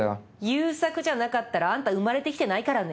悠作じゃなかったらあんた生まれてきてないからね。